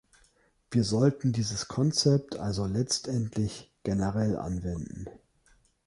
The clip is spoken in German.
Wir sollten dieses Konzept also letztendlich generell anwenden.